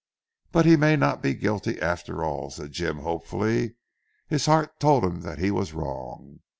"But he may not be guilty after all," said Jim hopefully. His heart told him that he was wrong.